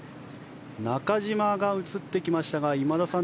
中島が映ってきましたが今田さん